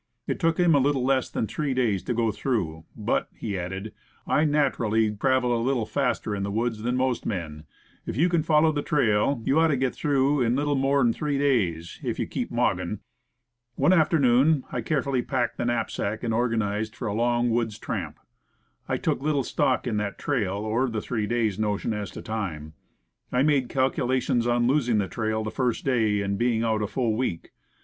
It took him a little less than three days to go through; ''but," he added, "I nat'rally travel a little faster in the woods than' most men. If you can follow the trail, you ought to get through in a little more'n three days if you keep moggin'." One afternoon I carefully packed the knapsack and organized for a long woods tramp. I took little stock in that trail, or the three days' notion as to time. I made calculations on losing the trail the first day, and being out a full week.